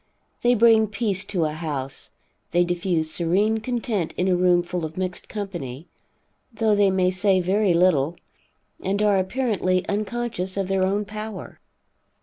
They bring peace to a house, they diffuse serene content in a room full of mixed company, though they may say very little, and are apparently unconscious of their own power.